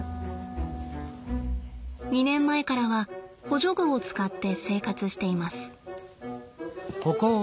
２年前からは補助具を使って生活しています。